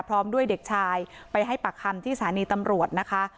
พร้อมด้วยเด็กชายไปให้ปากคำที่สถานีตำรวจนะคะ